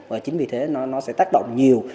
và chính vì thế nó sẽ tác động nhiều